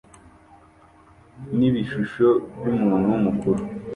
Nibishusho byumuntu mukuru